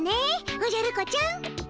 おじゃる子ちゃん。